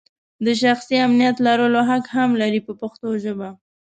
د شخصي امنیت لرلو حق هم لري په پښتو ژبه.